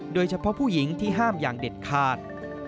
โดยเฉพาะผู้หญิงที่ห้ามอย่างเด็ดขาด